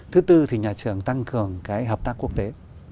thứ tư thì nhà trường tăng cường cái hợp tác quốc tế